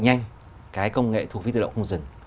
nhanh cái công nghệ thu phí tự động không dừng